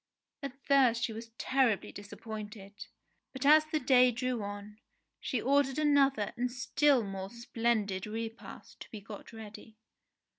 At first she was terribly disappointed, but as the day drew on, she ordered another and still more splendid repast to be got ready.